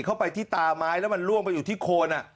เข้าไปที่ตาไม้แล้วมันล่วงไปอยู่ที่โคน